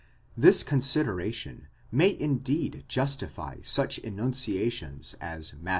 This consideration may indeed justify such enunciations as Matt.